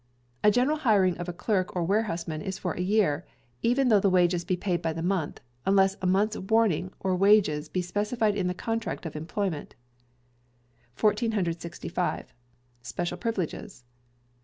A General Hiring of a Clerk or warehouseman is for a year, even though the wages be paid by the month, unless a month's warning or wages be specified in the contract of employment. 1465. Special Privileges.